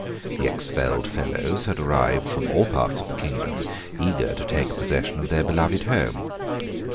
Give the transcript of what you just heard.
The expelled Fellows had arrived from all parts of the kingdom, eager to take possession of their beloved home.